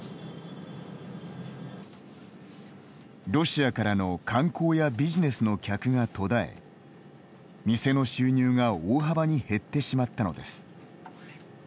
ロシアからの観光やビジネスの客が途絶え店の収入が大幅に減ってしまったのです。